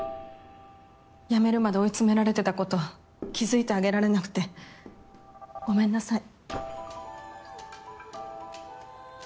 辞めるまで追い詰められてたこと気付いてあげられなくてごめんなさい。